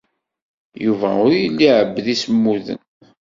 Yuba ur yelli iɛebbed imsemmuden.